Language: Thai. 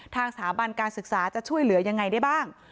ทางสถาบันการศึกษาจะช่วยเหลือยังไงได้บ้าง